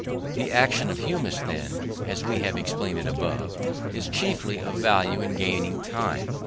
The action of humus, then, as we have explained it above, is chiefly of value in gaining time.